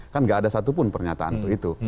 kan gak ada satupun pernyataan itu